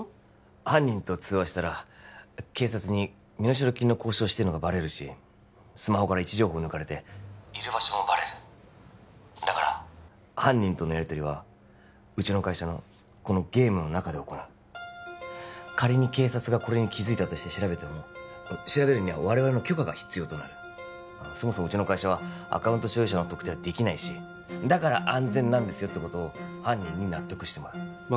犯人と通話したら警察に身代金の交渉をしてるのがバレるしスマホから位置情報抜かれている場所もバレるだから犯人とのやりとりはうちの会社のこのゲームの中で行う仮に警察がこれに気づいたとして調べても調べるには我々の許可が必要となるそもそもうちの会社はアカウント所有者の特定はできないしだから安全なんですよってことを犯人に納得してもらうまあ